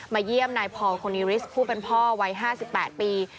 เยี่ยมนายพอลโคนิริสผู้เป็นพ่อวัย๕๘ปี